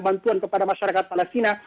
bantuan kepada masyarakat palestina